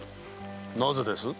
なぜです？